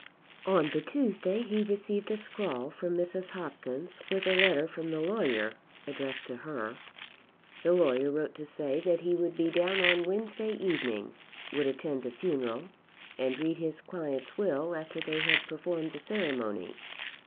On the Tuesday he received a scrawl from Mrs. Hopkins with a letter from the lawyer addressed to her. The lawyer wrote to say that he would be down on Wednesday evening, would attend the funeral, and read his client's will after they had performed the ceremony.